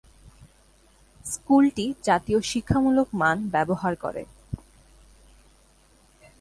স্কুলটি জাতীয় শিক্ষামূলক মান ব্যবহার করে।